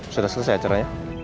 sudah selesai acaranya